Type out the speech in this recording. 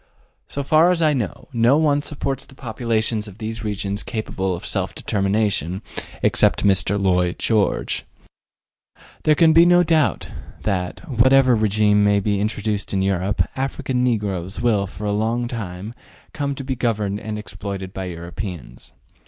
So far as I know, no one supposes the populations of these regions capable of self determination, except Mr. Lloyd George. There can be no doubt that, whatever regime may be introduced in Europe, African negroes will for a long time to come be governed and exploited by Europeans.